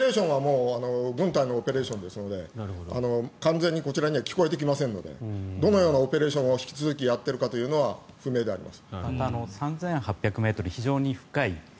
軍のオペレーションですのでそれは完全にこちらには聞こえてきませんのでどのようなオペレーションを引き続きやっているのかは不明です。